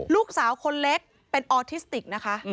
ลูกสาวคนเล็กเป็นออทิสติกนะคะ